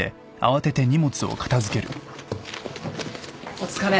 お疲れ。